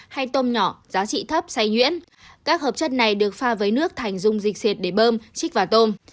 hay tôm nhỏ giá trị thấp xay nhuyễn các hợp chất này được pha với nước thành dung dịch để bơm chích vào tôm